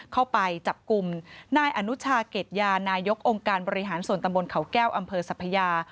เข้าไปจับกลุ่มนายอนุชาเกร็ดยานายกองค์การบริหารส่วนตำบลเขาแก้วอำเภอสัพยา